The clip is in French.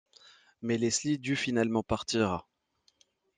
Mais Leslie dut finalement partir.